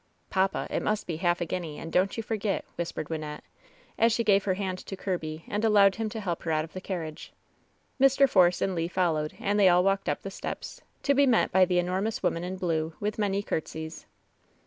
"Papa, it must be half a guinea, and don't you for get!" whispered Wynnette, as she gave her hand to Kirby and allowed him to help her out of the carriage. Mr. Force and Le followed, and they all walked up the steps, to be met by the enormous woman in blue, with many courtesies.